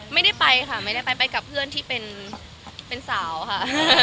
ไม่ได้ไปค่ะไม่ได้ไปไปกับเพื่อนที่เป็นสาวค่ะ